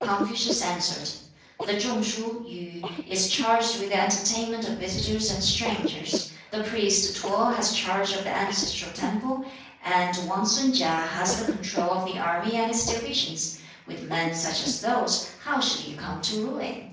Confucius answered, "The Chung shuh, Yu, is charged with the entertainment of visitors and strangers; the priest T'o has charge of the ancestral temple; and Wang sun KiŠ has the control of the army and its divisions: with men such as those, how should he come to ruin?"